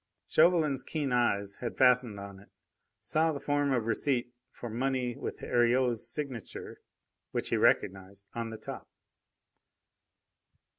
Chauvelin's keen eyes had fastened on it, saw the form of receipt for money with Heriot's signature, which he recognised, on the top.